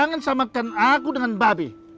kau jangan samakan aku dengan babeh